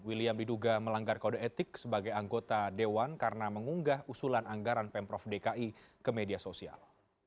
william diduga melanggar kode etik sebagai anggota dewan karena mengunggah usulan anggaran pemprov dki ke media sosial